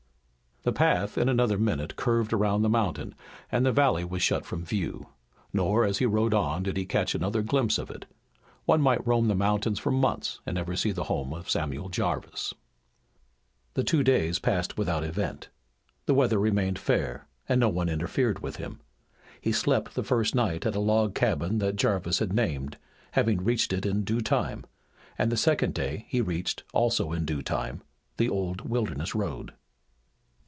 The path, in another minute, curved around the mountain, and the valley was shut from view. Nor, as he rode on, did he catch another glimpse of it. One might roam the mountains for months and never see the home of Samuel Jarvis. The two days passed without event. The weather remained fair, and no one interfered with him. He slept the first night at a log cabin that Jarvis had named, having reached it in due time, and the second day he reached, also in due time, the old Wilderness Road.